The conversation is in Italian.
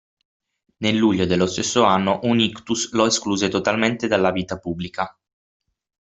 Nel luglio dello stesso anno un ictus lo escluse totalmente dalla vita pubblica.